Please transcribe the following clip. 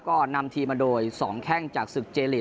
ก็นำทีมมาโดย๒แข้งจากศึกเจลีก